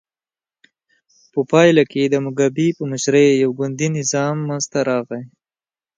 په پایله کې د موګابي په مشرۍ یو ګوندي نظام منځته راغی.